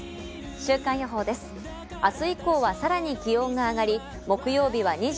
週間予報です。